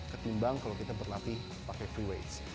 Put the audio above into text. ketimbang kalau kita berlatih pakai free weights